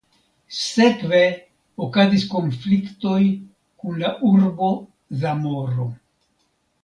Sekve okazis konfliktoj kun la urbo Zamoro.